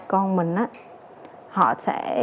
con mình á họ sẽ